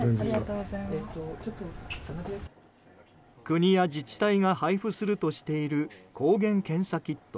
国や自治体が配布するとしている抗原検査キット。